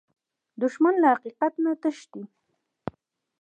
دښمن له حقیقت نه تښتي